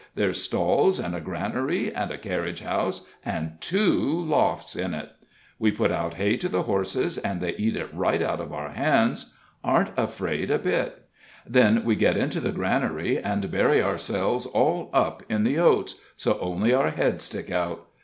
"There's stalls, and a granary, and a carriage house and two lofts in it. We put out hay to the horses, and they eat it right out of our hands aren't afraid a bit. Then we get into the granary, and bury ourselves all up in the oats, so only our heads stick out.